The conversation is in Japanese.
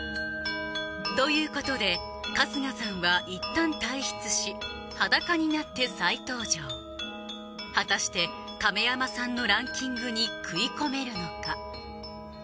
ということで春日さんはいったん退室し裸になって再登場果たして亀山さんのランキングに食い込めるのか？